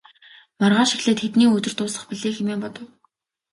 Маргааш эхлээд хэдний өдөр дуусах билээ хэмээн бодов.